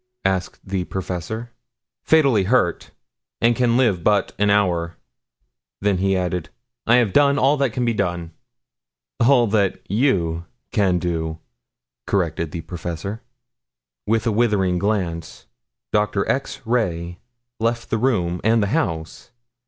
asked the professor. "Fatally hurt and can live but an hour." Then he added, "I have done all that can be done." "All that you can do," corrected the professor. With a withering glance, Doctor X. Ray left the room and the house.